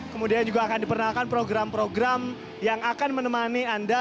kemudian juga akan diperkenalkan program program yang akan menemani anda